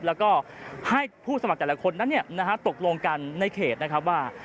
แล้วก็ให้ผู้สมัครแต่ละคนนั้นตกลงกันในเขตนะครับว่า